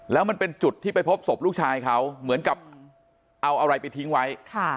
แล้วมันเป็นจุดที่ไปพบศพลูกชายเขาเหมือนกับเอาอะไรไปทิ้งไว้